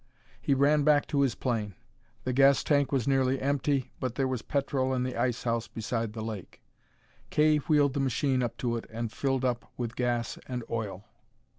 He ran back to his plane. The gas tank was nearly empty, but there was petrol in the ice house beside the lake. Kay wheeled the machine up to it, and filled up with gas and oil.